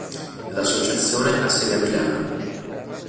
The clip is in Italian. L'associazione ha sede a Milano.